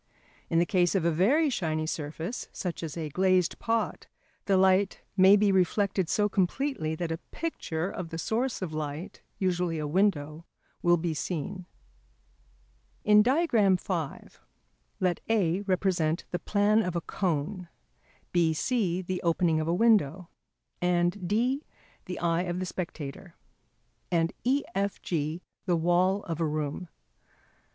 In the case of a very shiny surface, such as a glazed pot, the light may be reflected so completely that a picture of the source of light, usually a window, will be seen. In the diagram on page 95 [Transcribers Note: Diagram V], let A represent the plan of a cone, B C the opening of a window, and D the eye of the spectator, and E F G the wall of a room.